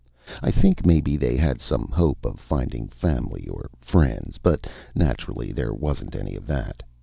I think maybe they had some hope of finding family or friends, but naturally there wasn't any of that.